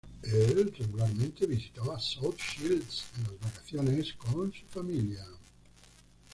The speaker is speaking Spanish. Él regularmente visitaba South Shields en las vacaciones con su familia.